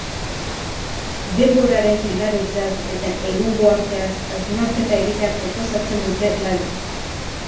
Denboraren igarotzeaz eta egungo arteaz hausnarketa egitea proposatzen dute lanok.